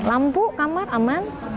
lampu kamar aman